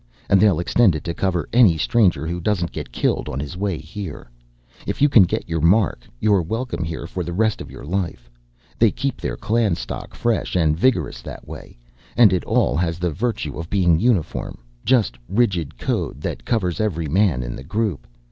And they'll extend it to cover any stranger who doesn't get killed on his way here. If you can get your mark, you're welcome here for the rest of your life. They keep their clan stock fresh and vigorous that way. And it all has the virtue of being a uniform, just, rigid code that covers every man in the group.